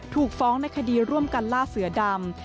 ถูกฟ้องในคดีร่วมกันล่าเสือดำ